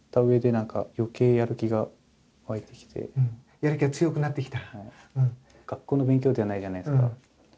やる気が強くなってきた？